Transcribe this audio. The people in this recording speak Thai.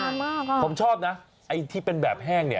ได้แบบนี้ผมชอบนะที่เป็นแบบแห้งใช่